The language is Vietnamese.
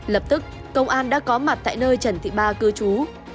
lập tức công an đã có mặt tại nơi trần thị ba cư trú